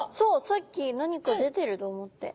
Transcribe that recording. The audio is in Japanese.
さっき何か出てると思って。